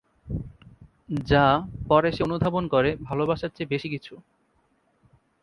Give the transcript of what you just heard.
যা পরে সে অনুধাবন করে ভালবাসার চেয়ে বেশি কিছু।